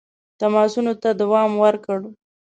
تماسونو ته دوام ورکړ.